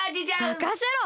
まかせろ！